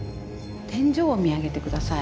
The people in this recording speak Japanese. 天井を見上げて下さい。